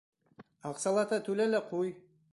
Аҡсалата түлә лә ҡуй!